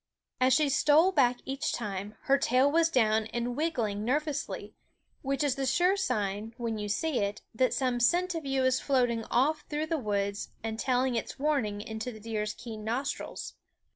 As she stole back each time, her tail was down and wiggling nervously which is the sure sign, when you see it, that some scent of you is floating off through the woods and telling its warning into the deer's keen nostrils.